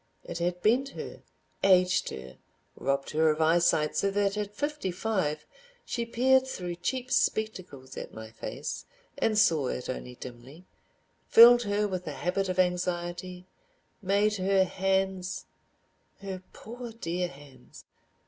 It had bent her, aged her, robbed her of eyesight so that at fifty five she peered through cheap spectacles at my face, and saw it only dimly, filled her with a habit of anxiety, made her hands——— Her poor dear hands!